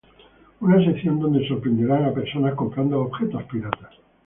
una sección donde sorprenderán a personas comprando objetos piratas